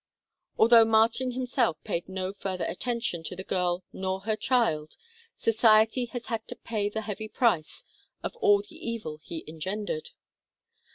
Although Martin himself paid no further attention to the girl nor her child, society has had to pay the heavy price of all the evil he engendered.